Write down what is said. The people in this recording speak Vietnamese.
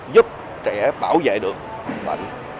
giúp trẻ bảo vệ được bệnh